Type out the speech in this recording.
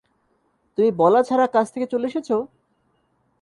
তুমি বলা ছাড়া কাজ থেকে চলে এসেছ?